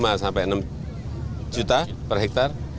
lima hingga enam juta per hektar